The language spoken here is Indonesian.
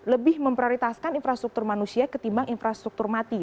lebih memprioritaskan infrastruktur manusia ketimbang infrastruktur mati